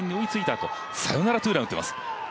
あとサヨナラツーラン打っています。